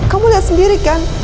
kamu lihat sendiri kan